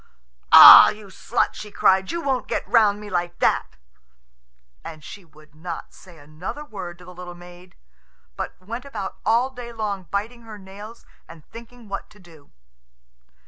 "Ah, you slut," she cried, "you won't get round me like that!" And she would not say another word to the little maid, but went about all day long biting her nails and thinking what to do.